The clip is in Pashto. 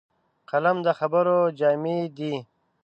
قلم د خبرو جامې دي